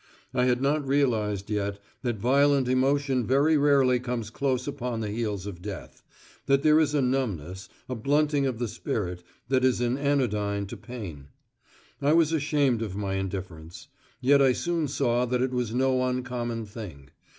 I had not realised yet that violent emotion very rarely comes close upon the heels of death, that there is a numbness, a blunting of the spirit, that is an anodyne to pain. I was ashamed of my indifference; yet I soon saw that it was no uncommon thing.